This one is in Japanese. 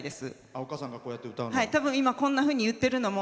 お母さんがこうやって歌うのが。